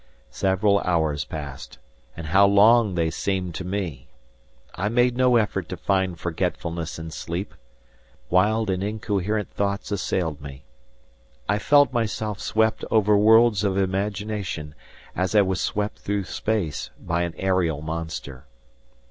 Several hours passed; and how long they seemed to me! I made no effort to find forgetfulness in sleep. Wild and incoherent thoughts assailed me. I felt myself swept over worlds of imagination, as I was swept through space, by an aerial monster.